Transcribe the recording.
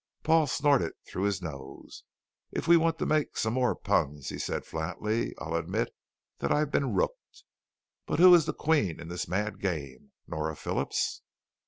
Paul snorted through his nose. "If we want to make some more puns," he said flatly, "I'll admit that I've been Rooked. But who is the Queen in this mad game, Nora Phillips?"